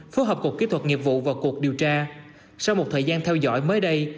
phối hợp cục kỹ thuật nghiệp vụ và cục điều tra sau một thời gian theo dõi mới đây